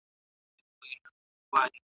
د خوني سترګو څه خون راباسـي